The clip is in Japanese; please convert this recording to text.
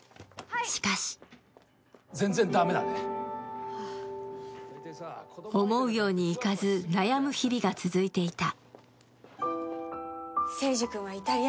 しかし思うようにいかず、悩む日々が続いていた。